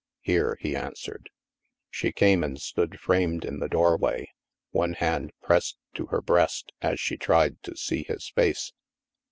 " "Here," he answered. She came and stood framed in the doorway, one hand pressed to her breast, as she tried to see his face.